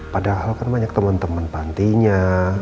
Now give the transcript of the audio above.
padahal kan banyak teman teman pantinya